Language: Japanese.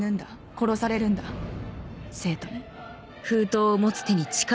殺されるんだ生徒に